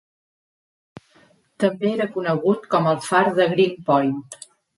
També era conegut com el Far de Green Point.